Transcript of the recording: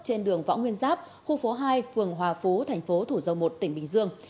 trên đường võ nguyên giáp khu phố hai phường hòa phú thành phố thủ dầu một tỉnh bình dương